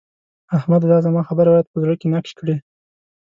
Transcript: احمده! دا زما خبره بايد په زړه کې نقش کړې.